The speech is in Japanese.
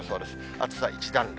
暑さ一段落。